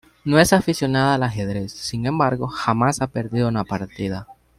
No es aficionada al ajedrez, sin embargo, jamás ha perdido una partida.